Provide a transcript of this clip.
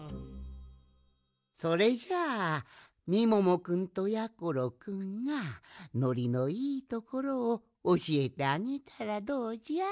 それじゃあみももくんとやころくんがのりのいいところをおしえてあげたらどうじゃ？